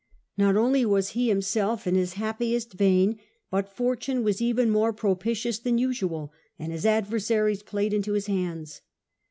Not only was he himself in his happiest vein, but fortune was even more propitious than usual, and his adversaries played into his hands.